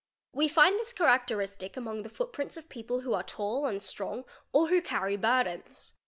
We find this characteristi among the footprints of people who are tall and strong or who carr burdens.